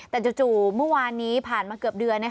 แต่จู่เมื่อวานนี้ผ่านมาเกือบเดือน